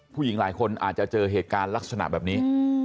ผู้หญิงหลายคนอาจจะเจอเหตุการณ์ลักษณะแบบนี้